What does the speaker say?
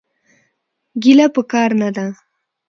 ګيله پکار نه ده.